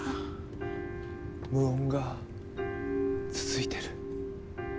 無音が続いてる。